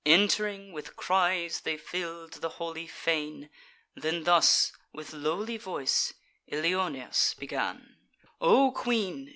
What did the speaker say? Ent'ring, with cries they fill'd the holy fane; Then thus, with lowly voice, Ilioneus began: "O Queen!